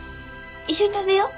一緒に食べよう。